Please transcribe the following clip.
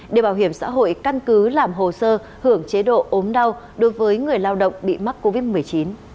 để bảo hiểm xã hội căn cứ làm hồ sơ hưởng chế độ ốm đau đối với người lao động bị mắc covid một mươi chín